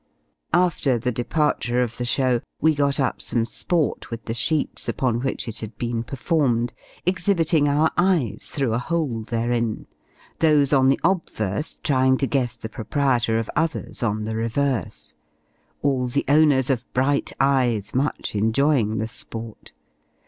After the departure of the show, we got up some sport with the sheets upon which it had been performed, exhibiting our eyes through a hole, therein; those on the obverse trying to guess the proprietor of others on the reverse all the owners of bright eyes much enjoying the sport.